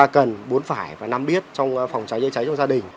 ba cần bốn phải và năm biết trong phòng cháy chữa cháy trong gia đình